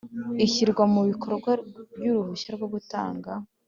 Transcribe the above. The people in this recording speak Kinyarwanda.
ishyirwa mu bikorwa ry uruhushya rwo gutanga